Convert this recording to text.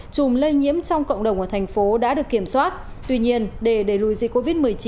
chùm lây nhiễm trong cộng đồng ở thành phố đã được kiểm soát tuy nhiên để đẩy lùi dịch covid một mươi chín